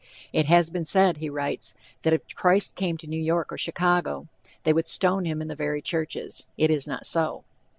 "It has been said," he writes, "that if Christ came to New York or Chicago, they would stone him in the very churches. It is not so."